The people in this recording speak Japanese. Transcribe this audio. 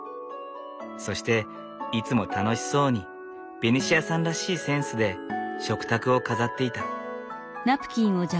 そしていつも楽しそうにベニシアさんらしいセンスで食卓を飾っていた。